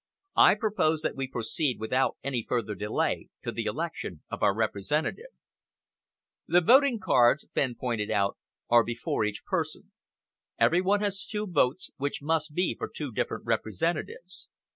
I propose that we proceed without any further delay to the election of our representative." "The voting cards," Fenn pointed out, "are before each person. Every one has two votes, which must be for two different representatives.